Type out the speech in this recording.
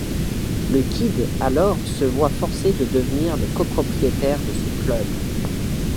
Le Kid alors se voit forcé de devenir le copropriétaire de son club.